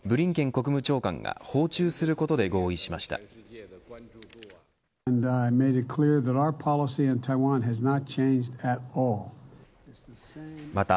国務長官が訪中することで合意しました。